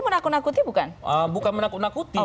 menakuti bukan bukan menakuti